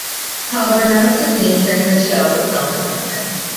However, none of the scenes during the show were filmed in London.